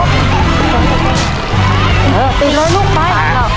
เออติดเลยลูกไป